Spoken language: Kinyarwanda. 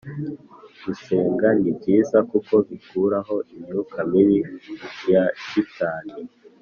gusenga ni byiza kuko bikuraho imyuka mibi ya shitani